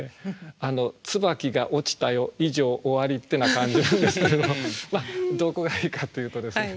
「椿が落ちたよ」以上終わりってな感じなんですけどどこがいいかというとですね